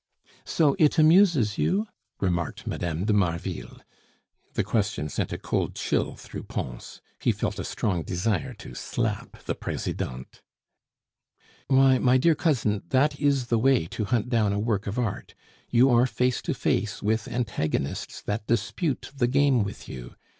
"So it amuses you?" remarked Mme. de Marville. The question sent a cold chill through Pons; he felt a strong desire to slap the Presidente. "Why, my dear cousin, that is the way to hunt down a work of art. You are face to face with antagonists that dispute the game with you.